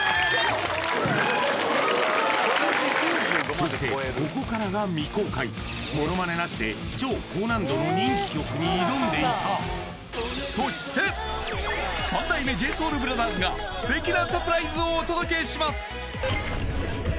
そしてここからが未公開モノマネなしで超高難度の人気曲に挑んでいた三代目ＪＳＯＵＬＢＲＯＴＨＥＲＳが素敵なサプライズをお届けします